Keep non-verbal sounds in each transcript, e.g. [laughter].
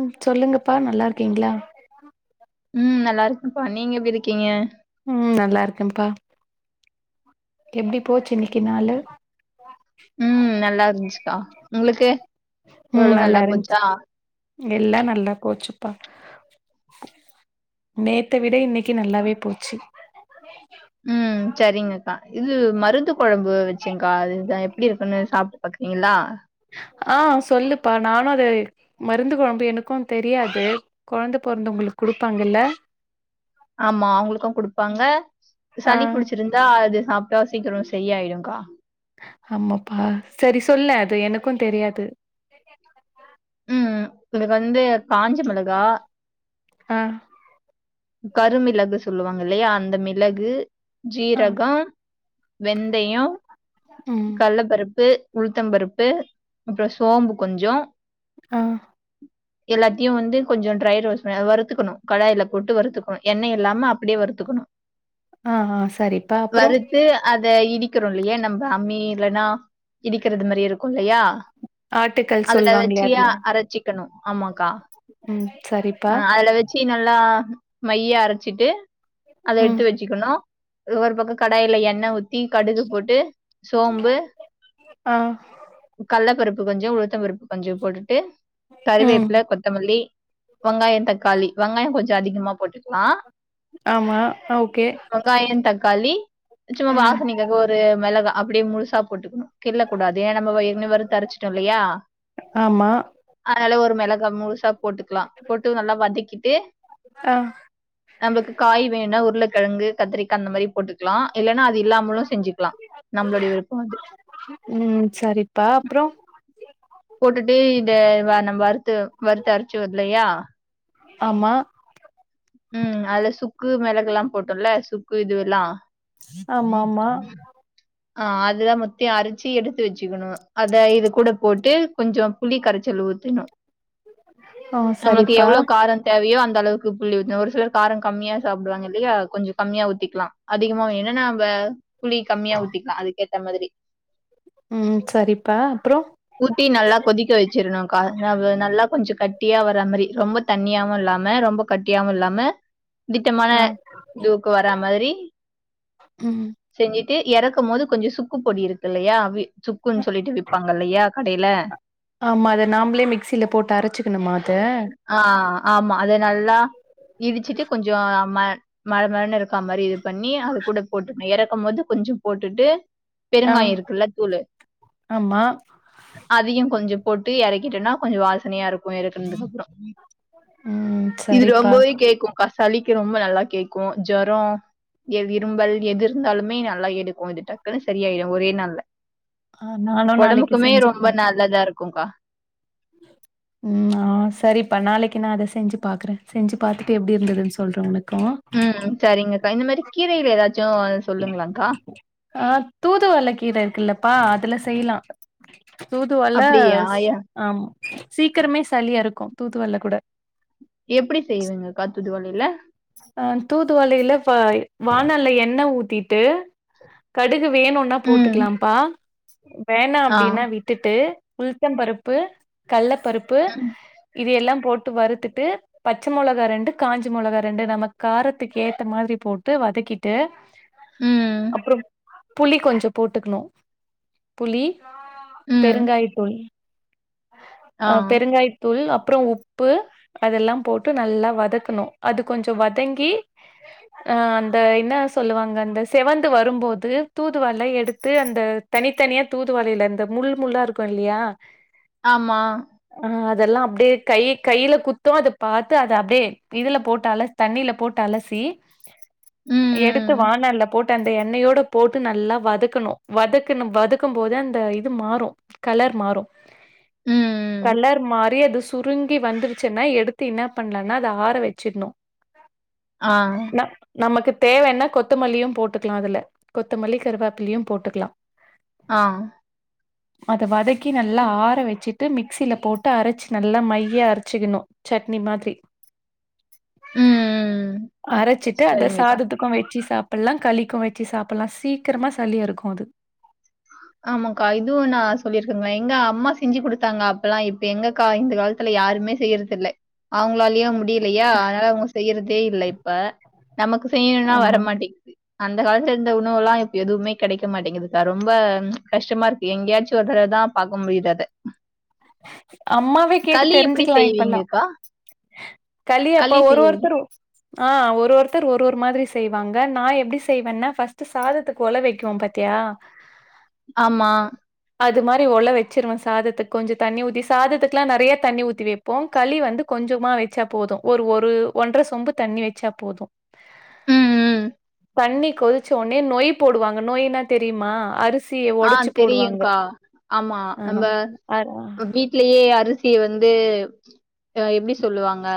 ம் சொல்லுங்கப்பா நல்லா இருக்கீங்ளா ம் நல்லா இருக்கப்பா நீங்க எப்டி இருக்கீங்க ம் நல்லா இருக்கேம்ப்பா எப்டி போச்சு இன்னக்கி நாளு ம் நல்லாருந்ச்சுக்கா உங்களுக்கு ம் ஓரளவு நல்லா இருந்ச்சு போச்சா? எல்லா நல்லா போச்சுப்பா நேத்த விட இன்னைக் கி நல்லாவே போச்சி ம் சரிங்கக்கா இது மருந்து கொழம்பு வச்சங்க்கா அது தா எப்டிருக்குன்னு சாப்ட்டு பாக்குறீங்ளா அ சொல்லுப்பா நானு அத மருந்துக் கொழம்பு எனக்கு தெரியாது கொழந்த பொறந்தவுங்களுக்கு குடுப்பாங்கல்ல ஆமா அவங்ளுக்கு குடுப்பாங்க ஆ சளி புடிச்சிருந் தா அது சாப்ட்டா சீக்கிரோ சரியாயிடுங்க்கா ஆமாப்பா சரி சொல்ல அது எனக்கு தெரியாது ம் இதுக்கு வந்து காஞ்ச மிளகா ஆ கருமிளகு சொல்லுவாங்க இல்லையா அந்த மிளகு ஆ ஜீரகம் வெந்தயோ ம் கள்ளப்பருப்பு உளுத்த பருப்பு அப்புறோ சோம்பு கொஞ்சோ ஆ எல்லாத்தையு வந்து கொஞ்சோ ட்ரை ரோஸ் பண்ணி அத வறுத்துக்கணு கடாயில போட்டு வறுத்துக்கணு எண்ணெ இல்லாம அப்டியே வறுத்துக்கணு ஆ சரிப்பா அப்புறோ த்து அத இடிக்கிறோ இல்லையா நம்ம அம்மி இல்லன்னா இடிக்கிறது இந்த மாரி இருக்கு இல்லையா ஆட்டுக்கல் அதுல சொல்லுவாங்களே வச்சியா அதுல அரைச்சிக்கணு ஆமாக்கா ம் சரிப்பா ச்சி நல்லா மையா அரைச்சிட்டு அத ம் எடுத்து வச்சுக்கணு ஒரு பக்கம் கடாயில எண்ணெ ஊத்தி கடுகு போட்டு சோம்பு ஆ கள்ள பருப்பு கொஞ்சோ உளுத்த பருப்பு கொஞ்சோ போட்டுட்டு ம் கறிவேப்புள்ள கொத்தமல்லி வெங்காயோ தக்காளி வெங்காயோ கொஞ்சோ அதிகமா போட்டுக்கலா ஆமா ஓகே வெங்காயோ தக்காளி சும்மா ம் வாசனைக்காக ஒரு அது மிளகா அப்டியே முழுசா போட்டுக்கணு கில்லக்க கூடாது ஏன்னா நம்ம இன்னு வருத்துதரிச்சிட்டோ இல்லையா ஆமா அதனால ஒரு மெளகாய் முழுசா போட்டுக்கலா போட்டு நல்லா வதக்கிட்டு ஆ நம்மளுக்கு காய் வேணா உருளைக்கிழங்கு கத்திரிக்கா அந்த மாதிரி போட்டுக்கலா இல்லைன்னா அது இல்லாமலு செஞ்சுக்கலா நம்மளுடய விருப்போ அது ம் சரிப்பா அப்புறோ போட்டுட்டு இத வ நம்ம வறுத்து வறுத்து அரைச்சொ இல்லையா ஆமா ம் அதுல சுக்கு மிளகு எல்லா போட்டோம்ல சுக்கு இது எல்லா ஆமாமா ஆ அதுதா மொத்திய அரச்சு எடுத்து வச்சுக்கணும் அத இது கூட போட்டு கொஞ்ச புளி கரச்சல் ஊத்தணும் ஆ நம்மளுக்கு சரிப்பா எவ்ளோ கார தேவையோ அந்த அளவுக்கு புள்ளி ஊத்தன்னு ஒரு சிலர் கார கம்மியா சாப்டுவாங்க இல்லயா கொஞ்ச கம்மியா ஊத்திக்கலா அதிகமா வேனுனா நம்ப புளி கம்மியா ஊத்திக்கலா அதுக்கேத்த மாதிரி ம் சரிப்பா அப்பற ஊத்தி நல்லா கொதிக்க வச்சிருணும்் [unintelligible] நல்லா கொஞ்ச கட்டியா வர மாதிரி ரொம்ப தண்ணியாவு இல்லாம ரொம்ப கட்டியாவு இல்லாம திட்டமான ஆ இதுவுக்கு வரா மாதிரி ம் செஞ்சிட்டு இறக்கும் போது கொஞ்ச சுக்கு பொடி இருக்கு இல்லயா சுக்குன்னு சொல்லிட்டு விப்பாங்க இல்லயா கடையில ஆமா அத நாம்பளே மிக்சியில போட்டு அரச்சுக்கணுமா அத ஆ ஆமா அத நல்லா இடிச்சிட்டு கொஞ்ச நம்ம மழ மழன்னு இருக்கா மாதிரி இது பண்ணி அது கூட போட்டுகனு இறக்கும் போது கொஞ்ச போட்டுட்டு ஆ பெருங்காய இருக்குல்ல தூள் ஆமா அதியு கொஞ்ச போட்டு இறக்கிட்டோன்னா கொஞ்ச வாசனையா இருக்கும் க்கு அப்பற ம் இது சரிப்பா ரொம்பவே கேடக்கும் சளிக்கு ரொம்ப நல்லா கேக்கும் ஜொர இரும்பல் எது இருந்தாலுமே நல்லா எடுக்கும் இது டக்குன்னு சரியாயிடு ஒரே நாள்ல ஆ நானு நாளைக்கி எப்பமே ரொம்ப நல்லதா இருக்குக்கா ம் ஆ சரிப்பா நாளைகி நா அத செஞ்சி பாக்குற செஞ்சி பாத்துட்டு எப்டி இருந்ததுன்னு சொல்ற உங்களுக்கு ம் சரிங்க அக்கா இந்த மாதிரி கீரையில ஏதாச்சும் சொல்லுங்களா அக்கா ஆ தூதுவல கீர இருக்குல்லபா அதுல செய்லா தூதுவல அப்டியா யா ஆம் சீக்ரமே சளி அருகும் தூதுவல கூட எப்டி செய்விங்க கா தூதுவலயில அ தூதுவளயில வ வானல்ல எண்ண ஊத்திட்டு கடுகு வேணுனா ம் போட்டுகலாம்பா வேணா ஆ அப்டினா விட் விட்டு உளுத்தபருப்பு கள்ள பருப்பு ம் இது எல்லா போட்டு வருதுட்டு பச்ச முளகா ரெண்டு காஞ்ச முளகா ரெண்டு நம்ம காரத்துக் ஏத்த மாரி போட்டு வதகிட்டு ம் அப்பற புளி கொஞ்ச போட்டுகணும் புளி ம் பெருகாய தூள் ஆ அ பெருகாய தூள் அப்ற உப்பு அதெல்லா போட்டு நல்லா வதக்கன்னு அது கொஞ்ச வதங்கி ஆ அந்த இன்ன சொல்வாங்க அ செவந்து வரும் போது தூதுவல எடுத்து அந்த தனி தனியா தூதுவால அந்த முள் முள்ளா இருக் [unintelligible] ஆமா அ அதெல்லா அப்டியே கையெ கையில குத்து அத பாத்து அத அப்டியே இதுல போட்டு அலசி தண்ணில போட்டு அலசி ம் எடுத்து வா ம் னொல்ல போட்டு அந்த என்னையோட போட்டு நல்லா வதக்கணு வதக்குன வதக்கும் போது அந்த இது மாறு கலர் மாறு ம் ம் கலர் மாறி அது சு சுருங்கி வந்துருச்சுன்னா எடுத்து இன்ன பண்லானா அத ஆற வச்சிட்ணு ஆ ந நமக்கு தேவென்னா கொத் கொத்தமல்லியு போட்டுக்கலா அதுல கொத்தமல்லி கருவேப்பிலெயு போட்டுகலா ஆ அத வதக்கி நல்லா ஆற வெச்சிட்டு மிக்சில போட்டு அரச்சு நல்லா மையா அரச்சுக்கனு சட்னி மாதுரி ம். அரசிட்டு அத சரிங்கக்கா. சாததுக்கு வெச்சி சாப் பட்லா கலிக்கு வச்சி சாப்பட்லா சீக்கரமா சளி அறுக்கு அது ஆமாகா இதுவு நா சொல்லி இருகங்ளா எங்க அம்மா செஞ்சி குடுத்தாங்க அப்பலா இப்ப எங்ககா இந்த காலத் துல யாருமே செய்யறது இல்ல அவுங்களாலயு முடிய யலையா அதுனால அவுங்க செய்யுறதே இல்ல இப்ப நமக்கு செய்ணுனா ஆமா வரமாட்டேங்கிது அந்த காலத்ல இருந்த உணவுல்லா இப்ப எதுவுமே கெடைக்க மாட்டெங்கிது கரும் ரொம்ப கஷ்டமா இருக்கு எங்கயாச்சு ஒருதடவ தா பாக்க முடியுது அத அம்மாவே கேட்டு களி எப்டி செய்வீங்ககா கலி அப்ப ஒரு ஒருத்தரு ஆ ஒரு ஒருத்தர் ஒரு ஒரு மாதுரி செய்வாங்க நா எப்டி செய்வேனா ஃபஸ்ட்டு சாதத்துக்கு ஒல வெக்வோ பத்தியா ஆமா அது மாரி ஒல வெச்சுருவே சாததுக்கு கொஞ்சொ தண்ணி ஊத்தி சாததுக்ல்லா நெறையா தண்ணி ஊத்தி வெப்போ களி வந்து கொஞ்சமா வெச்சா போது ஒரு ஒரு ஒன்ற சொம்பு தண்ணி வெச்சா போது ம், ம். தண்ணி கொதுச்சோனே நொய் போடுவாங்க நொய்னா தெரிமா அரிசி ஆ தெரியுங்கா ஆமா ஆ நம்ம அ வீட் ட்லயே அரிசிய வந்து எப்டி சொல்லுவாங்க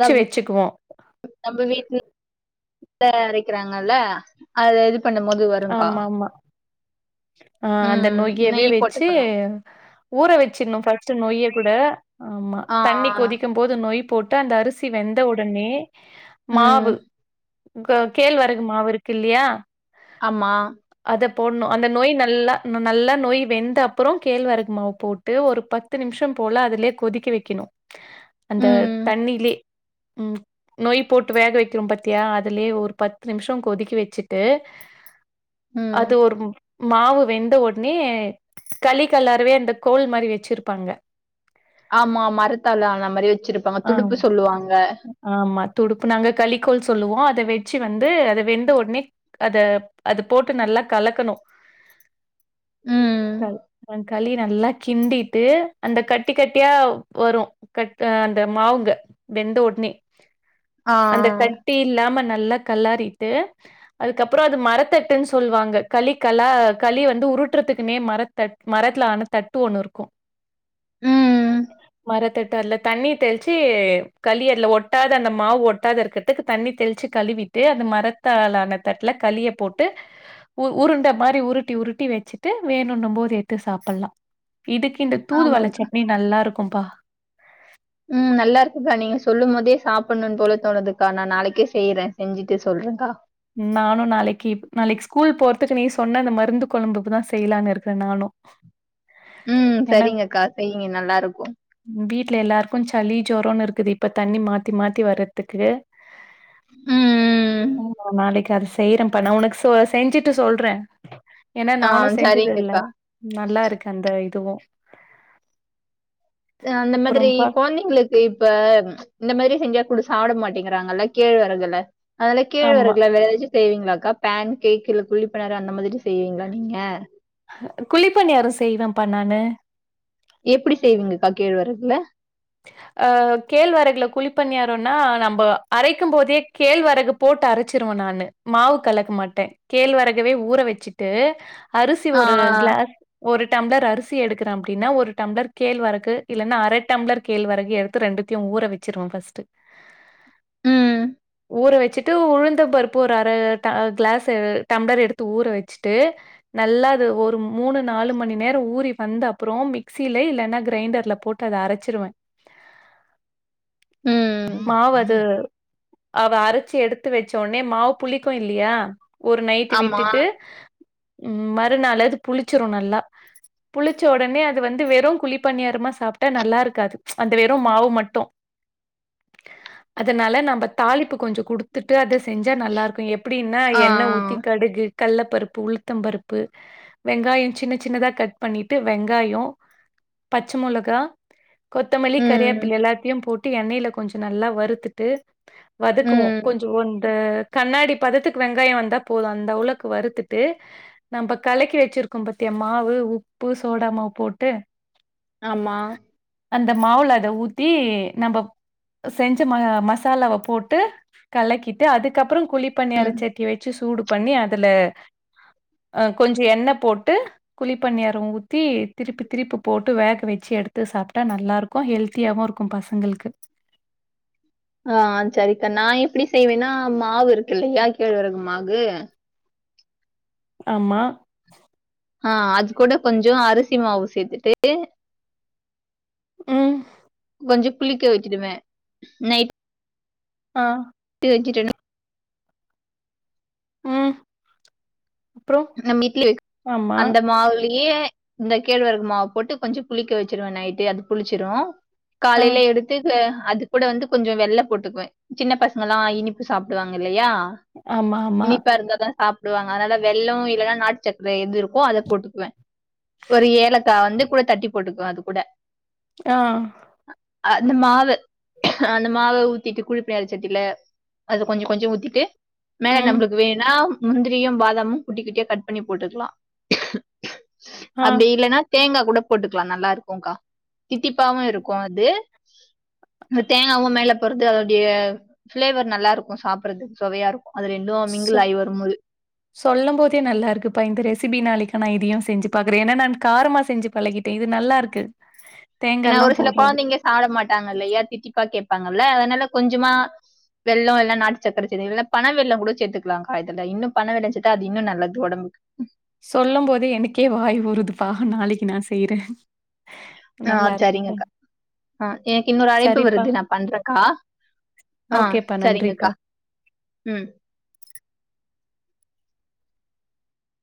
[unintelligible] ச்சுக்குவோ நம்ப வீட்ல [inaudible] அரக்கிறாங்கல்ல அத எடு பண்ணம் போது வருங்கா ஆமாமா. ஆ அந்த நொய்யவே வெச்சு போட்டுக்கணு ஊற வெச்சிட்ணு ஃபஸ்ட்டு நொய்ய கூட ஆமா ஆ தண்ணி கொதிக்கு போது நோய் போட்டு அந்த அரிசி வெந்த ஒடனே ம் மாவு கேழ்வெரகு மாவு இருக்கு இல்லையா ஆமா அத போட்ணு அந்த நொய் நல்லா இன்னொ நல்லா நொய் வெந்த அப்பறொ கேழ்வெரகு மாவு போட்டு ஒரு ப பத்து நிம்ஷோ போல அதுலயே கொதிக்க வெக்கெணு அந்த ம் தண்ணிலே ம் நொய் போட்டு வேக வக்கிறோ பத்தியா அதுலயே ஒரு பத்து நிம்ஷோ கொதிக்க வெச்சுட்டு ம் அது ஒரு மாவு வெந்த ஒட்னே களி கெலரவே அந்த கோல் மாரி வெச்சிருப்பாங்க ஆமா மரத்தால் ஆன மாரி வச்சிருப்பாங்க துடுப்பு ஆமா. சொல்லுவாங்க ஆமா துடுப்பு நாங்க கலிக்கோள் சொல்லுவோ அத வெச்சு வந்து அது வெந்த ஒட்னே அத அது போட்டு நல்லா கலக்கணு ம் கல் ந களி நல்லா கிண்டி ட்டு அந்த கட்டி கட்டியா வரு கட் அ அந்த மாவுங்க வெந்த ஒட்னே ஆ அந்த கட் ட்டி இல்லாம நல்லா களறிட்டு அதுக்கப்றோ அது மரத்தட்டுன் சொல்வாங்க கலிக் கலா களி வந்து உருட்றத்துக்குன்னே மர தட் மரத்துல ஆன தட்டு ஒன்னு இருக்கு ம் மரத்தட்டு அதுல தண்ணி தெளிச்சு கலி அதுல ஒட்டாது அந்த மாவு ஒட்டாது இருக்கிறத்துக்கு தண்ணி தெளிச்சு கழுவிட் அந்த மரத்தாளான தட்ல களிய போட்டு உ உருண்ட மாரி உருட்டி உருட்டி வெச்சுட்டு வேணுன்னும்போது எட்த்து சாப்பிட்லா இதுக்கு இந்த தூதுவள ஆமாங்க்கா சட்னி நல்லா இருக்கும்ப்பா ம் நல்லா இருக்குக்கா நீங்க சொல்லும் போதே சாப்பிட்ணுன் போல தோணுதுக்கா நா நாளைக்கே செய்றே செஞ்சிட்டு சொல்றேங்க்கா நானு நாளைக்கு நாளைக்கு ஸ்கூல் போறத்துக்கு நீ சொன்ன அந்த மருந்து கொழம்புதா செய்யலான்னு இருக்கிறே நானு ம் சரிங்கக்கா செய்யுங்க நல்லா இருக்கு ம் வீட்ல எல்லாருக்கு சளி ஜோரன்னு இருக்குது இப்ப தண்ணி மாத்தி மாத்தி வர்றதுக்கு ம் ம் ம் நாளைக்கு அத செய்யறம்பா நா உனக்கு சோ செஞ்சுட்டு சொல்றே ஏனா ஆ நானு செஞ்சதே இல்ல சரிங்கக்கா நல்லா இருக்கு அந்த இதுவு அ அந்த மாதிரி அப்புறம்ப்பா கொழந்தைங்களுக் இந்த இப்ப இந்த மாதிரி செஞ்சா கூட சாப்ட மாட்டிங்கிறாங்கல்ல கேழ் வெரகுல அதால கேழ் ஆமா. வெரகுல வேற எதாச்சு செய்வீங்களாக்கா பேன் கேக் இல்ல குழி பணியார அந்த மாதிரி செய்வீங்ளா நீங்க குழிப்பனியாரோ செய்வேம்ப்பா நானு எப்டி செய்வீங்கக்பா கேழ் வெரகுவல அ கேழ்வெரகுல குழிப்பணியாரன்னா நம்ம அரைக்கும் போதே கேழ்வெரகு போட்டு அரைச்சிருவோ நானு மாவு கலக்க மாட்டே கேழ்வெரகவே ஊற வெச்சுட்டு அரிசி ஆ ஒரு க்ளாஸ் ஒரு டம்ளர் அரிசி எடுக்கிறே அப்டினா ஒரு டம்ளர் கேழ்வரகு இல்லனா அர டம்ளர் கேழ்வரகு எடுத்து ரெண்டத்தையு ஊற வெச்சிருவ ஃபஸ்ட்டு ம் ஊற வெச்சுட்டு உழுந்தம் பருப்பு ஒரு அர ட க்ளாஸு டம்ளர் எடுத்து ஊற வெச்சுட்டு நல்லா அது ஒரு மூணு நாலு மணி நேர ஊறி வந்த அப்றோ மிக்சில இல்லனா கிரைண்டர்ல போட் இப்ப அத அரைச்சிருவே ம் மாவு அது அவ அரைச்சு எடுத்து வெச்சோனே மாவு புளிக்கு இல்லையா ஒரு நைட்டு ஆமா விட்டுட்டு ம் மறுநாளே அது புளிச்சிரு நல்லா புளிச்ச ஒடனே அது வந்து வெறு குழி பனியாரமா சாப்ட்டா நல்லா இருக்காது அந்த வெறு மாவு மட்டு அதனால நம்ம தாளிப்பு கொஞ்ச‌ குடுத் த்துட்டு அத செஞ்சா நல்லாருக்கு எப்டினா ஆ எண்ணெ ஊத்தி கடுகு கல்ல பருப்பு உளுத்தம் பருப்பு வெங்காய சின்ன சின்னதா கட் பண்ணிட்டு வெங்காய பச்ச மொளகா கொத்தமல்லி ம் கரியாப்பில்ல எல்லாத்தையு போட்டு எண்ணெய்ல கொஞ்ச நல்லா வறுத்துட்டு வதக்குவோ ம் கொஞ்ச ஒன்ட கண்ணாடி பதத்துக்கு வெங்காய வந்தா போது அந்த உளக்கு வறுத்துட்டு நம்ப கலக்கி வெச்சிருக்கோ பாத்தியா மாவு உப்பு சோடா மாவு போட்டு ஆமா அந்த மாவுல அத ஊத்தி நம்ப செஞ்ச ம மசாலாவ போட்டு கலக்கிட்டு அதுக்கப்றோ குழிப்பனியார ம் சட்டி வெச்சு சூடு பண்ணி அதுல அ கொஞ்ச எண்ணெ போட்டு குழிப்பன்னியாரம் ஊத்தி திருப்பி திருப்பி போட்டு வேக வச்சி எடுத்து சாப் ட்டா நல்லா இருக்கும் ஹெல்த்தியாகவும் இருக்கும் பசங்களுக்கு ஆ சரிக்கா நா எப்டி செய்வேன்னா மாவு இருக்கு இல்லையா கேழ்வரகு மாகு ஆமா ஆ அது கூட கொஞ்சம் அரிசி மாவு சேத்துட்டு ம் கொஞ்சம் புளிக்க வச்சிடுவே நைட் ஆ டு வச்சிட்டனா ம் அப்புறம்? நம்ம இட்லி ஆமா. அந்த மாவுலயே இந்த கேழ்வரகு மாவு போட்டு கொஞ்சம் புளிக்க வச்சிருவன் நைட்டே அது புளிச்சிரும் ஆ. காலையில எடுத் திது அது கூட வந்து கொஞ்சம் வெள்ள போட்டுக்குவன் சின்ன பசங்கலாம் இனிப்பு சாப்டுவாங்க இல்லையா ஆமா, ஆமா. இனிப்பா இருந்தாதா சாப்டுவாங்க அதனால வெள்ளம் இல்லன்னா நாட்டு சக்கர எது இருக் கோ அத போட்டுக்குவன் ஒரு ஏலக்கா வந்து கூட தட்டி போட்டுக்குவன் அது கூட ஆ அந்த மாவு அந்த மாவ ஊத்திட்டு குழிப்பனியார சட்டில அது கொஞ்சம் கொஞ்சம் ஊத்திட்டு மேல ம் நம்பளுக்கு வேணா முந்திரியும் பாதமும் குட்டி குட்டியா கட் பண்ணி போட்டுக்கலா ஆ அப்டி இல்லன்னா தேங்கா கூட போட்டுக்கலா நல்லா இருக்கும் கா தித்திப்பாவும் இருக்கும் அது இந்த தேங்காவும் மேல போறது அதோடைய ஃபிளேவர் நல்லா இருக்கும் சாப்பறதுக்கு சொவையா இருக் அது ரெண்டும் மிங்கலாயி வருமோது சொல்லம் போதே நல்லா இருக்குப்பா இந்த ரெசிபி நாளைக்கு நான் இதையும் செஞ்சி பாக்கறன் ஏனா நா காரமா செஞ்சி பழகிட்டன் இது நல்லா இருக்கு ஏனா தேங்கால்லா ஒரு சில போடுறது கொழந்தைங்க சாப்ட மாட்டாங்க இல்லயா தித்திப்பா கேப்பாங்க இல்ல அதனால கொஞ்சமா வெள்ளம் இல்லனா நாட்டு சக்கர சேத் இல்லனா பண வெள்ளம் கூட சேத்துக்கலாக்கா இதுல இன்னும் பண வெள்ளம் சேத் தா அது இன்னும் நல்லது ஒடம்புக்கு சொல்லம் போதே எனக்கே வாய் ஊருதுப்பா நாளைக்கி நா செய்யறன் ஆ சரிங்கக்கா ஆ எனக்கு இன்னொரு அழைப்பு சரிப்பா வருது நா பண்றக்கா ஆ ஓகேப்பா நன்றிப்பா செரிங்கக்கா ம்